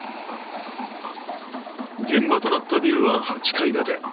現場となったビルは８階建て。